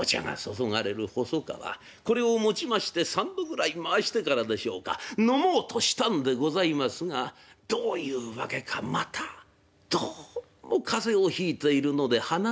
これを持ちまして３度ぐらい回してからでしょうか飲もうとしたんでございますがどういうわけかまたどうも風邪をひいているので鼻水がストン！